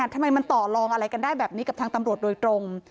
ทำไมมันต่อลองอะไรกันได้แบบนี้กับทางตำรวจโดยตรง